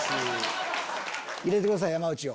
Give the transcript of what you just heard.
入れてください山内を。